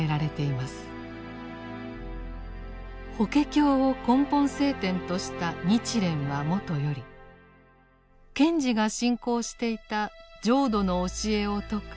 法華経を根本聖典とした日蓮はもとより賢治が信仰していた浄土の教えを説く